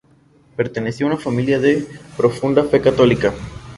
Pertenecía a una familia de profunda fe católica.